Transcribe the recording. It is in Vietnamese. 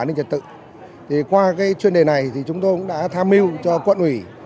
an ninh trật tự qua chuyên đề này chúng tôi cũng đã tham mưu cho quận ủy